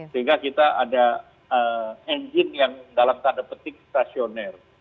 sehingga kita ada engine yang dalam tanda petik stasioner